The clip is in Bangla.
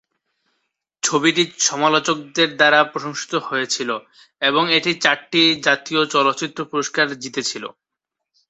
ছবিটি সমালোচকদের দ্বারা প্রশংসিত হয়েছিল এবং এটি চারটি জাতীয় চলচ্চিত্র পুরস্কার জিতেছিল।